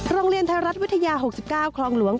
โรงเรียนไทยรัฐวิทยา๖๙คลองหลวง